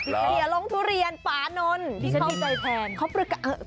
เสียล้องทุเรียนปานนท์